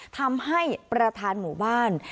ทำให้ประธานหมู่บ้าน